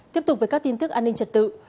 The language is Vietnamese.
tiếp tục với các tin tức an ninh trật tự